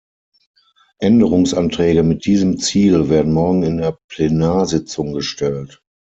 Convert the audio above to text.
Änderungsanträge mit diesem Ziel werden morgen in der Plenarsitzung gestellt.